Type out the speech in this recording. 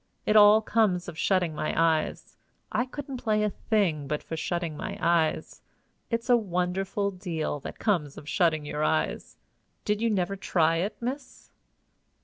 It all comes of shutting my eyes. I couldn't play a thing but for shutting my eyes. It's a wonderful deal that comes of shutting your eyes! Did you never try it, miss?"